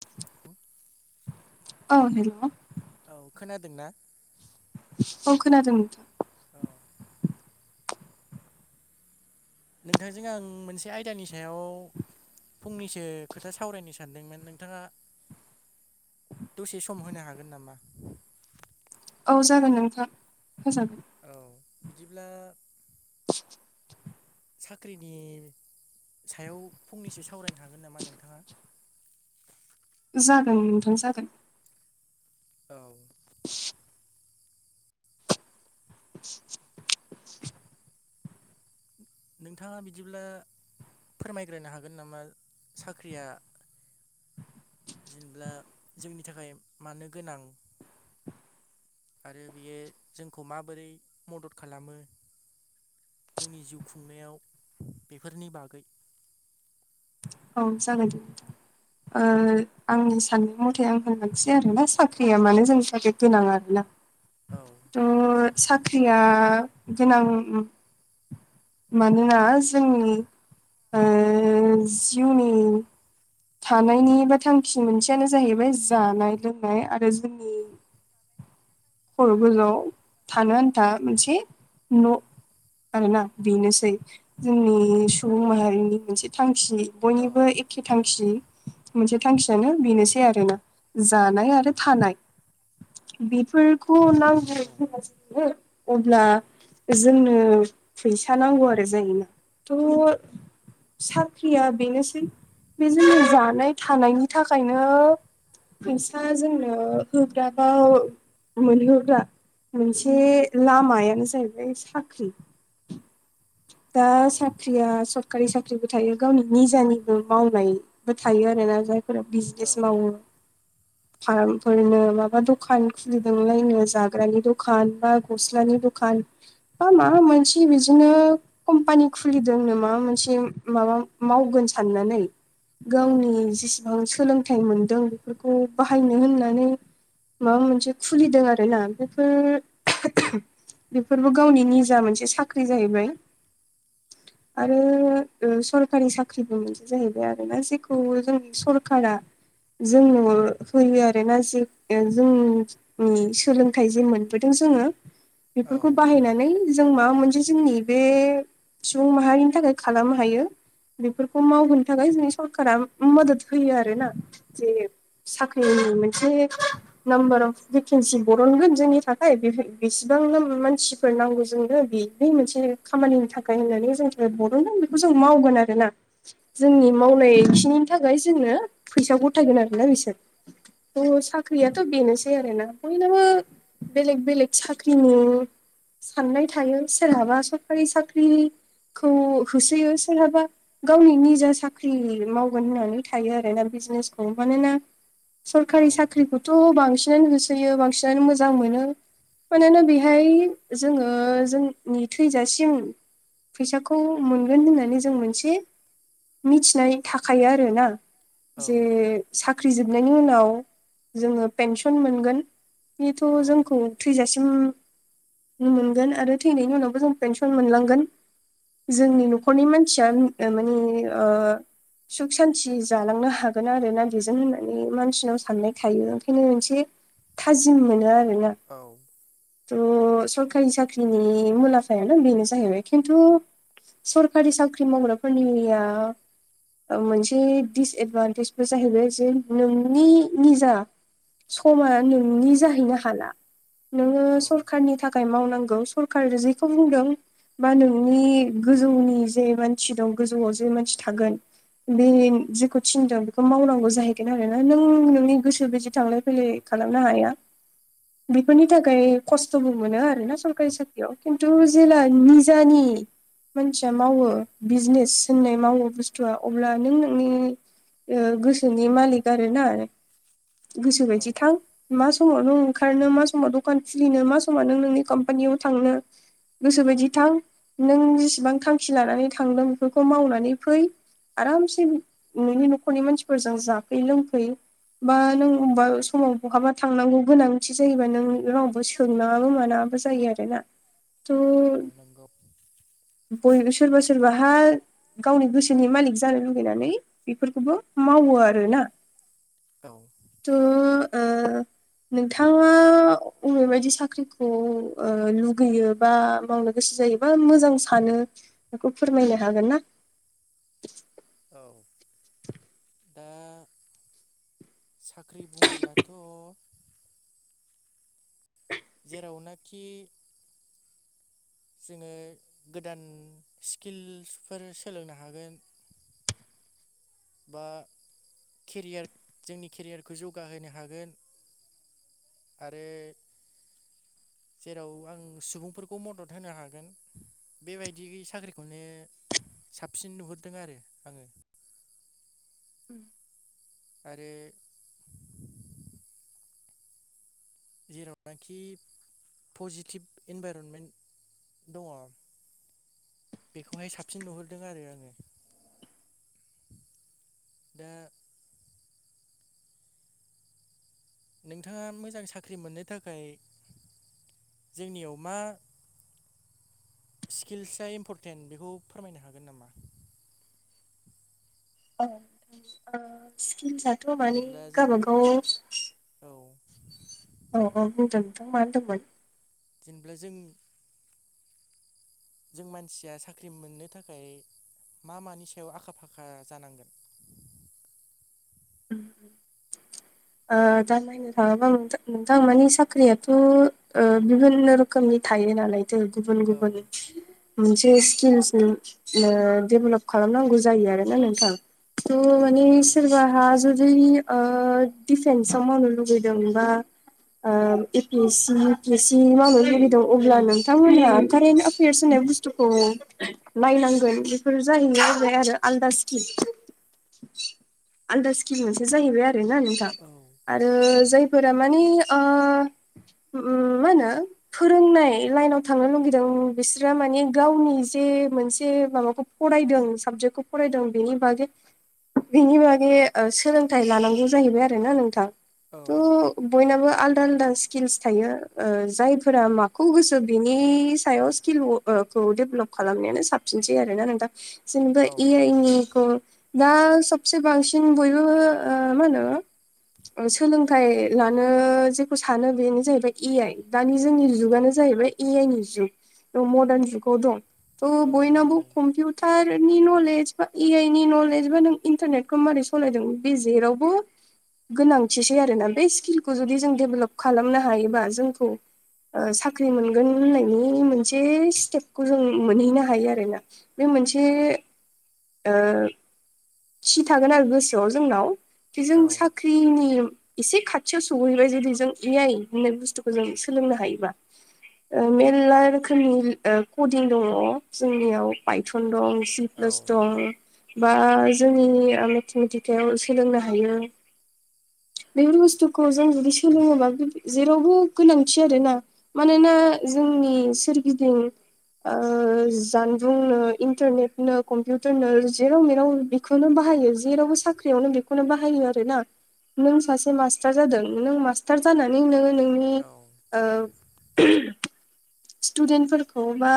[inaudible] औ हेलौ। औ खोनादों ना? औ खोनादों नोंथां। औ। नोंथांजों आं मोनसे आयदानि सायाव फंनैसो खोथा सावरायनो सा सानदोंमोन नोंथाङा दसे सम होनो हागोन नामा? औ जागोन नोंथां होजागोन। औ बिदिब्ला साख्रिनि सायाव फंनैसो सावरायनो हागोन नामा नोंथाङा? जागोन नोंथां जागोन‌। औ नोंथाङा बिदिब्ला फोरमायग्रोनो हागोन नामा साख्रिया जेनेब्ला जोंनि थाखाय मानो गोनां? आरो बियो जोंखौ माबोरै मदद खालामो? जोंनि जिउ खुंनायाव बेफोरनि बागै औ जागोन दे नोंथां। [inaudible] ओ आंनि साननाय मथे आं होनलांसै आरोना साख्रिया मानो जोंनि थाखाय गोनां आरोना। औ। ओ साख्रिया गोनां मानोना जोंनि जिउनि थानायनि बा थांखि मोनसेयानो जाहैबाय जानाय लोंनाय आरो जोंनि खर' गोलौआव थानो आन्था मोनसे औ न' आरोना बेनोसै जोंनि सुबुं माहारिनि मोनसे थांखि औ बयनिबो एख खे थांखि मोनसे थांखियानो बेनोसै आरोना जानाय आरो थानाय। बेफोरखौ औ नंगौ औ नांगौ [unintelligible] अब्ला जोंनो फैसा नांगौ आरो जायना थ' साख्रिया बेनोसै बे जोंनि जानाय थानायनि थाखायनो फैसा जोंनो होग्राबाव ‌ मोनहोग्रा मोनसे लामायानो जाहैबाय साख्रि। दा औ सा ख्रिया सरकारि साख्रिबो थायो गावनि निजानिबो मावनायबो थायो आरो ना जाय फोर बिजनेस मावो फार्मफोरनो माबा दखान खुलि नोंलायनो जाग्रानि दखान बा गस्लानि दखान बा मा मोनसे बिजनो कम्पानि खुलिदोंनो माबा मोनसे माबा मावगोन साननानै। गावनि जेसेबां सोलों थाय मोनदों बेफोरखौ बाहायनो होननानै माबा मोनसे खुलिदों आरोना बेफोर बेफोरबो गावनि निजा मोनसे साख्रि जाहैबाय। [inaudible] आरो ओ सरखारि साख्रिबो मोनसे जाहैबाय आरोना जेखौ जोंनि सरखारा जोंनो बो होयो आरो ना जि ओ जोंनि नि सोलोंथाइ जि मोनबोदों जोङो बेफोरखौ बाहायनानै जों माबा मोनसे जोंनि बे सुबुं माहारिनि थाखाय खालामनो हायो। बेफोरखौ मावबोनो थाखाय जोंनि सरखारा मदद होयो आरोना जे साख्रिनि मोनसे नामबार अफ भेकेन्सि बरनगोन जोंनि थाखाय बेफोर बेसेबांनो मानसिफोर नांगौ जोंनो बेनि मोनसे खामानिनि थाखाय होननानै जोंनि थाखाय बरनगोन बेखौ जों मावगोन आरोना। जोंनि मावनाय खिनिनि थाखाय जोंनो फैसा गथायगोन आरोना बिसोर। औ साख्रियाथ' बेनोसै बिदि आरोना नोंथांनोबो बेलेग बेलेग साख्रिनि साननाय थायो सोरहाबा सरखारि साख्रिखौ होसोयो सोरहाबा गावनि निजा साख्रि मावगोन होननानै थायो आरोना बिजनेसखौ मानोना सरखारि साख्रिखौथ' बांसिनानो होसोयो बांसिनानो मोजां मोनो। मानोना बेहाय जोङो जोंनि थैजासिम फैसाखौ मोनगोन होननानै जों मोनसे मिथिनाय थाखायो आरोना। जे साख्रि जोबनायनि उनाव जोङो पेेनसन मोनगोन बेथ' जोंखौ थैजासिम नो मोनगोन आरो थैनायनि उनावबो जों पेनसन मोनलांगोन। जोंनि न'खरनि मानसिया उम माने ओ सुख सान्ति जालांनो हागोन आरो ना बेजों होननानै मानसिनाव साननाय थायो ओंखायनो मोनसे एसे थाजिम मोनो आरोना। औ। थ' सरखारि साख्रिनि मुलामफाया बेनो जाहैबाय खिन्थु सरखारि साख्रि मावग्राफोरनिया ओ मोनसे दिडिसएदभान्टेजबो जाहैबाय जे नोंनि निजा समा नोंनि जाहैनो हाला नोङो सरखारनि थाख थाखाय मावनांगौ सरखारदो जेखौ बुंदों बा नोंनि गोजौनि जे मानसि दं गोजौआव जे मानसि थागोन बे जेखौ थिनदों बेखौ मावनांगौ जाहैगोन आरोना नों नोंनि गोसो बादि थांलाय फैलाय खालामनो हाया। बेफोरनि थाखाय खस्थ'बो मोनो आरोना सरकारि साख्रियाव खिन्थु जेला निजानि मानसिया मावो बिजनेस होननाय मावो बुस्थुआ अब्ला नों नोंनि ओ गोसोनि मालिक आरोना नों गोसो औ बायदि थां मा समाव नों ओंखारनो मा समाव दखान खुलिनो मा समाव नों नोंनि कम्पानियाव थांनो गोसो बायदि थां नों जेसेबां थांखि लानानै थांदों बेखौ मावनानै फै। आरामसे नोंनि न'खरनि मानसिफोरजों जाफै लोंफै बा नों हबा समाव बहाबा थांनांगौ गोनांथि जायोबा नों रावबो सोंनाङाबो मानाङाबो जायो आरोना। [inaudible] थ' औ नंगौ बयबो सोरबा सोरबाहा गावनि गोसोनि मालिक जानो लुुबैनानै बेफोरखौबो मावो आरोना। औ। थ' ओ नोंथाङा अबेबायदि साख्रिखौ ओ लुगैयो बा मावनो गोसो जायोबा मोजां सानो? बेखौ फोरमायनो हागोन ना? औ दा साख्रि बुङोब्लाथ' जेरावनाखि जोङो गोदान स्किल्सफोर सोलोंनो हागोन बा केरियार जोंनि केरियारखौ जौगाहोनो हागोन आरो जेराव आं सुबुंफोरखौ मदद होनो हागोन बेबायदि साख्रिखौनो साबसिन नुहरदों आरो आङो। ओम। आरो जेरावनाखि पजिटिभ इनभाइरनमेन्ट दङ बेखौहाय साबसिन नुहुरदों आरो आङो। दा नोंथाङा मोजां साख्रि मोननो थाखाय जोंनियाव मा स्किल्सआ इम्परटेन्ट बेखौ फोरमायनो हागोन नामा? औ ओ स्किल्सआ जेनब्ला जों औ। औ औ बुंदों नोंथां मा होनदोंमोन? जेनेल्बा जों जों मानसिया साख्रि मोननो थाखाय मा मानि सायाव आखा फाखा जानांगोन ओ जानाय बुंनो थाङोबा नोंथां नोंथां मानि साख्रियाथ' ओ बिभिननो रोखोमनि थायो नालाय औ गुबुन औ गुबुन मोनसे स्किल्सनि ओ डेभेलप खालामनांगौ जायो आरोना नोंथां। त औ माने नंगौ सोरबाहा जुदि ओ दिफेन्सआव मावनो लुबैदोंबा ओ A P S C U P S C मावनो लुबैदों अब्ला नोंथांमोनहा कारेन्ट एफेयार्स होननाय बुस्थुखौ नायनांगोन बेफोर जाहैनाय जाय आरो आलदा स्किम। आलदा स्किम मोनसे जाहैबाय आरोना नोंथां। औ। आरो जायफोरा मानि ओ मा होनो फोरोंनाय लाइनाव थांनो लुगैदों बिसोरहा माने गावनि जे मोनसे माबाखौ फरायदों साबजेक्टखौ फरायदों बेनि बागै। बिनि बागै ओ सोलोंथाइ लानांगौ जाहैबाय आरोना नोंथां। औ। थ' बयनाबो आलदा आलदा स्किल्स थायो ओ जायफोरा माखौ गोसो बिनि सायाव स्टिल्स। खौ डेभेलप खालामनायानो साबसिनसै आरोना नोंथां। जेनेबा औ ए आइनि खौ दा सबसे बांसिन बयबो ओ मा होनो। सोलोंथाइ लानो जेखौ सानो बेनो जाहैबाय ए आइ दानि जोंनि जुगानो जाहैबाय। ए आइ नि जुग मदार्न जुगाव दं थ' औ बयनाबो नंगौ कम्पिउट थारनि नलेज बा ए आइ नि नलेज बा नों इन्टारनेटखौ माबारै सालायदों बे जेरावबो। गोनांथिसै आरोना बे स्किल्सखौ जुदि जों डेभेलप खालामनो हायोबा जोंखौ। साख्रि मोनगोन होननायनि मोनसे स्टेपखौ जों मोनहैनो हायो आरोना। बे मोनसे। ओ। थि थागोन आरो गोसोआव जोंनाव खि जों औ साख्रिनि। एसे खाथियाव सहैबाय जुदि जों एआइ होननाय बुस्थुखौ जों सोलोंनो हायोबा। ओ मेल्ला रोखोमनि ओ कदिं दङ जोंनियाव बायथन दं। औ दं बा जोंनि मेथामेटिकायाव सोलोंनो हायो बेफोर बुस्थुखौ जों जुदि सोलोङोबा जेरावबो गोनांथि आरोना मानोना जोंनि सोरगिदिं ओ जानबुंनो इन्टारनेटनो कम्पिउटारनो जेराव मेराव बेखौनो बाहायो जेरावबो साख्रियावनो बेखौनो बाहायो आरो ना। नों सासे मास्टार जादों नों मास्टार जानानै नोंङो नोंनि औ ओ स्टुदेन्टफोरखौ बा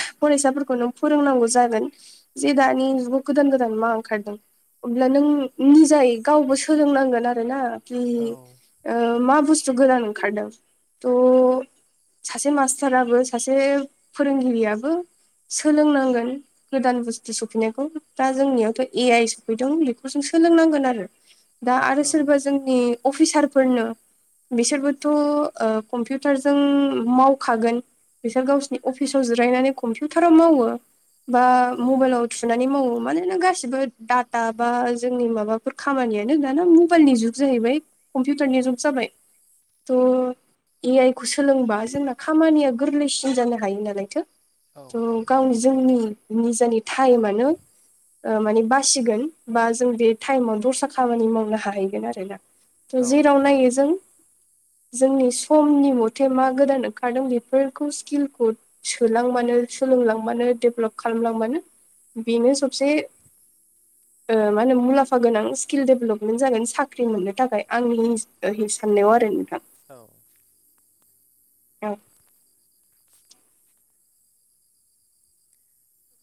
फरायसाफोरखौ नों फोरोंनांगौ जागोन। जे दानि जुगाव गोदान गोदान मा ओंखारदों अब्ला नों निजायै गावबो सोलोंनांगोन आरो ना कि औ ओ मा बुस्थु गोदान ओंखारदों थ' सासे मास राबो सासे फोरोंगिरियाबो सोलोंनांगोन गोदान बुस्थु सफैनायखौ दा जोंनियावथ' ए आइ सफैदों बेखौ जों सोलोंनांगोन आरो [inaudible] दा आरो औ सोरबा जोंनि अफिसारफोरनो बिसोरबोथ' ओ कम्पिउटारजों माव खागोन बिसोर गावसिरनि अफिसाव जिरायनानै कम्पिउटाराव मावो बा मबाइलाव सुनानै मावो माना गासिबो डाटा बा जोंनि माबा बेफोर खामानियानो दाना मबाइलनि जुग जाहैबाय कम्पिउटारनि जुग जाबाय थ' ए आइ खौ सोलोंबा जोंना खामानिया गोरलैसिन जानो हायो नालायथो औ थ' गाव जोंनि निजानि टाइमानो माने बासिगोन बा जों बे टाइमाव दस्रा खामानि मावनो हाहैगोन आरो ना औ जेराव नायो जों जोंनि समनि मथे मा गोदान ओं ओंखारदों बेफोरखौ स्किलखौ सोलांबानो सोलोंलांबानो डेभ्लप खालामलांबानो बेनो सबसे [inaudible] मा होन मुलाम्फ गोनां स्किल डेभेलपमेन्ट जागोन साख्रि मोननो थाखाय आंनि [unintelligible] साननायाव आरो नोंथां औ औ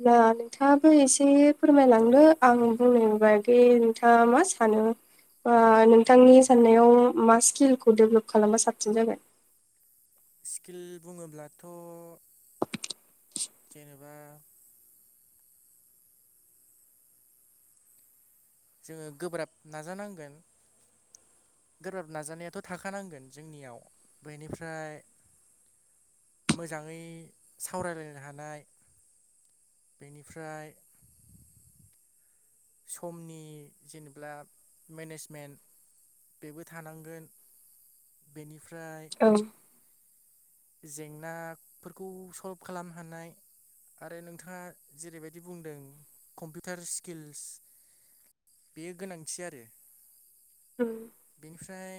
नों नोंथाङाबो एसे फोरमायलांनो औ आं बुंनाय बायदि नोंथाङा मा सानो बा औ नों नोथांनि साननायाव मा स्किलखौ डेभलप खालामबा साबसिन जागोन। स्किल बुङोब्लाथ' जेनेबा जोङो गोब्राब नाजानांगोन। गोब्राब नाजानायाथ' थाखानांगोन जोंनियाव बेनिफ्राय मोजाङै सावरायलायनो हानाय बेनिफ्राय समनि जेनेब्ला मेनेजमेन्ट बेबो थानांगोन बेनिफ्राय जेंनाफोरखौ सल्भ खालामनो हानाय आरो नोंथाङा जेरैबायदि बुंदों कम्पिउटार स्किल सि बे गोनांथि आरो ओम बेनिफ्राय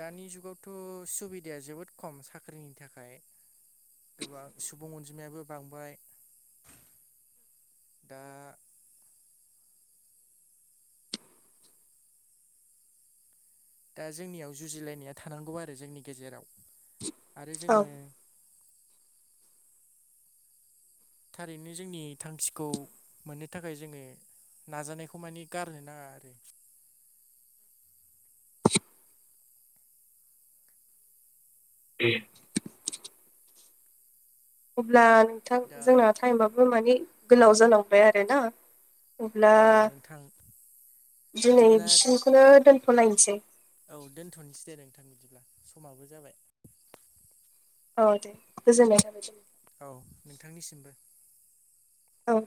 दानि जुगाव थ' सुबिदाया जोबोद खम साख्रिनि थाखाय। गोबां सुबुं अनजिमायाबो बांबाय। दा दा जोंनियाव जुजिलायनाया थानांगौ आरो जोंनि गेजेराव। आरो औ जोंङो थारैनो जोंनि थांखिखौ मोननो थाखाय जोङो नाजानायखौ माने गारनो नाङा आरो [inaudible] अब्ला नोंथां दा जोंना टाइमाबबो माने गोलाव जालांबाय आरोना। अब्ला औ नोंथां दिनै बिदिब्ला बिसिनिखौनो दोनथ'लायनोसै। औ दोनथ'नोसै दे नोंथां बिदिब्ला समाबो जाबाय। औ दे गोजोननाय थाबाय। औ नोंथांनिसिमबो। औ